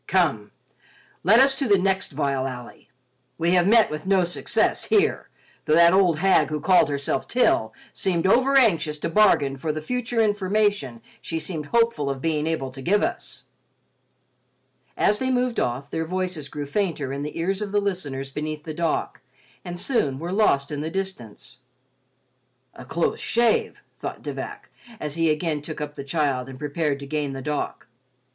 Come, let us to the next vile alley. We have met with no success here, though that old hag who called herself Til seemed overanxious to bargain for the future information she seemed hopeful of being able to give us." As they moved off, their voices grew fainter in the ears of the listeners beneath the dock and soon were lost in the distance. "A close shave," thought De Vac, as he again took up the child and prepared to gain the dock.